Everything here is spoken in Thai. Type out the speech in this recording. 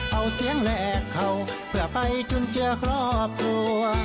เอาเสียงแหลกเขาเพื่อไปจุนเจือครอบครัว